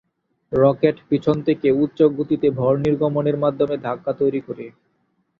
Rocket পিছন থেকে উচ্চ গতিতে ভর নির্গমনের মাধ্যমে ধাক্কা তৈরি করে।